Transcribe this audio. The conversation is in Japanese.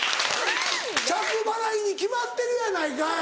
着払いに決まってるやないかい。